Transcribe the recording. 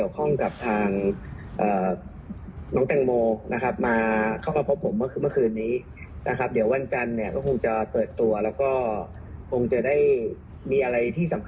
ขอตรูปไปก่อนดีกว่าแต่ว่าของใครนี้